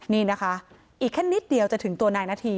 นี่นะคะอีกแค่นิดเดียวจะถึงตัวนายนาธี